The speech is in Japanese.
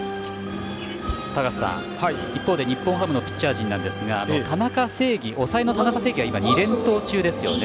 高瀬さん、一方で日本ハムのピッチャー陣ですが抑えの田中正義が今、２連投中ですよね。